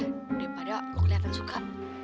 daripada lo kelihatan suka